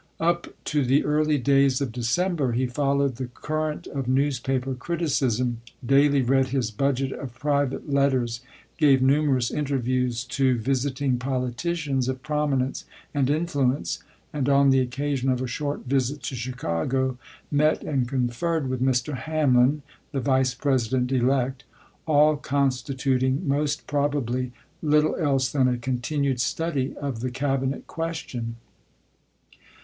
Up to the early days of December he fol lowed the current of newspaper criticism, daily read his budget of private letters, gave numerous interviews to visiting politicians of prominence and influence, and, on the occasion of a short visit to Chicago, met and conferred with Mr. Hamlin, the Vice President elect — all constituting, most prob ably, little else than a continued study of the Cabinet question.